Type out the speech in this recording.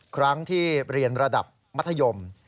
ครั้งที่เรียนระดับมัธยม